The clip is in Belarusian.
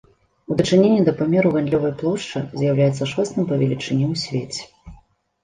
У дачыненні да памеру гандлёвай плошчы з'яўляецца шостым па велічыні ў свеце.